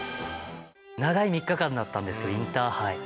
長い３日間だったんですよインターハイ。